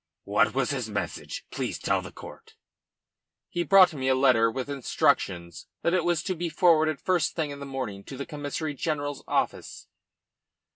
"What was his message? Please tell the court." "He brought me a letter with instructions that it was to be forwarded first thing in the morning to the Commissary General's office."